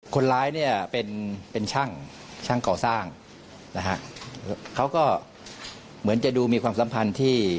คนร้ายเนี่ยเป็นเป็นช่างช่างก่อสร้างนะฮะเขาก็เหมือนจะดูมีความสัมพันธ์ที่